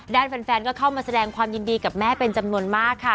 แฟนก็เข้ามาแสดงความยินดีกับแม่เป็นจำนวนมากค่ะ